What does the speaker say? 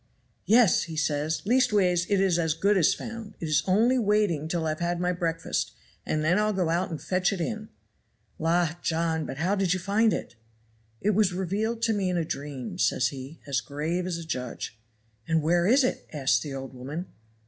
"'Yes!' says he; 'leastways, it is as good as found; it is only waiting till I've had my breakfast, and then I'll go out and fetch it in.' "'La, John, but how did you find it?' "'It was revealed to me in a dream,' says he, as grave as a judge. "'And where is it?' asks the old woman.